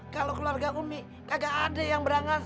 kalo keluarga umi kagak ade yang berangkat